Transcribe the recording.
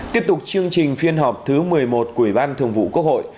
tiếp tục chương trình phiên họp thứ một mươi một của ủy ban thường vụ quốc hội